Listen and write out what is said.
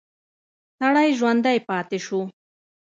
سړی ژوندی پاتې شو.